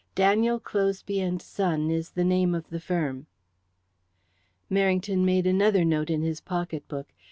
Daniel Closeby and Son is the name of the firm." Merrington made another note in his pocket book.